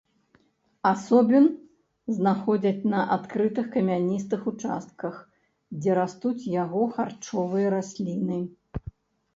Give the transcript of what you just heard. Асобін знаходзяць на адкрытых камяністых участках, дзе растуць яго харчовыя расліны.